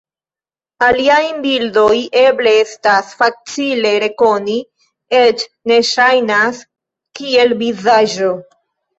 Aliajn bildojn eble estas malfacile rekoni, eĉ ne ŝajnas kiel vizaĝo.